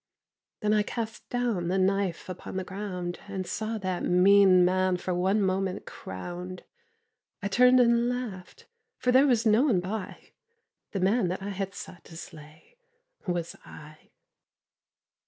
Then I cast down the knife upon the ground And saw that mean man for one moment crowned. I turned and laughed: for there was no one by The man that I had sought to slay was I.